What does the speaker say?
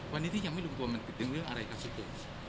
วันนี้ที่ยังไม่ลงตัวมันเป็นเรื่องอะไรครับพี่เจ๊